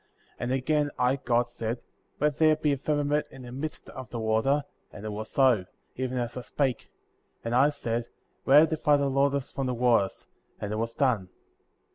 6. And again, I, God, said : Let there be a firma ment in the midst of the water, and it was so, even as I spake ; and I said : Let it divide the waters from the waters ; and it was done ; 7.